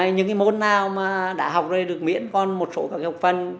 những môn nào đã học rồi được miễn còn một số học phần